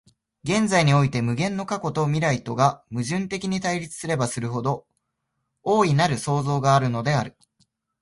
現在において無限の過去と未来とが矛盾的に対立すればするほど、大なる創造があるのである。